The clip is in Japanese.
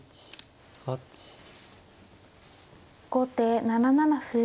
後手７七歩。